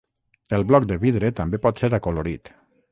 El bloc de vidre també pot ser acolorit.